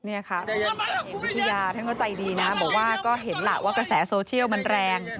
เนี้ยค่ะก็เห็นไว้วิทยาเขามึงก็ใจดีนะบอกว่าก็เห็นล่ะว่ากระแสโซเชียลมันแรง